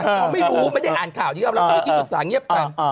เขาไม่รู้ไม่ได้อ่านข่าวนี้แล้วเราก็เมื่อกี้ศึกษาเงียบกัน